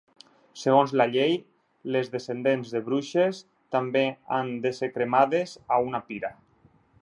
Segons la llei, les descendents de bruixes també han d'ésser cremades a una pira.